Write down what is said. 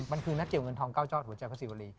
มันคือนัดเจียวเงินทองเก้ายอดหัวใจพระศิวรี